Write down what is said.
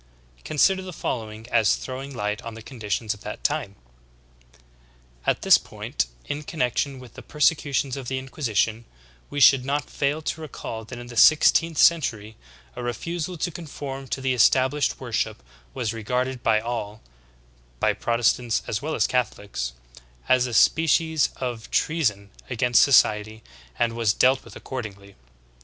Consider the following as throwing light on the conditions of that time : "x\t this point, in con nection with the persecutions of the Inquisition, we should not fail to recall that in the sixteenth century a refusal to conform to the established worship was regarded by all, by Protestants as well as Catholics, as a species of treason against society and was dealt with accordingly.